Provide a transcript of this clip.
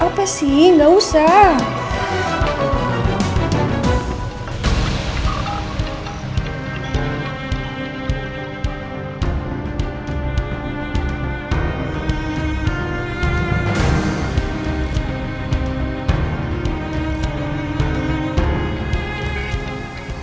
apa sih gak usah